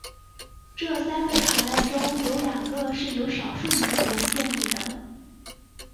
这三个朝代中有两个是由少数民族建立的。